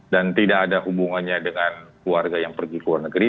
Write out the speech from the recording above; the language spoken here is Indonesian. dan tidak ada hubungannya dengan keluarga yang pergi ke luar negeri